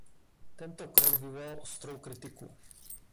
Tento krok vyvolal ostrou kritiku.